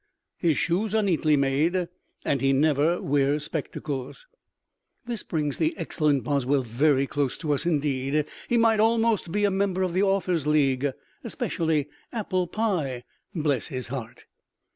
His shoes are neatly made, and he never wears spectacles. This brings the excellent Boswell very close to us indeed: he might almost be a member of the Authors' League. "Especially apple pie, bless his heart!"